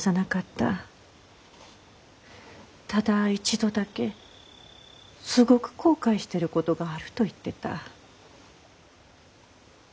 ただ一度だけすごく後悔してることがあると言ってた。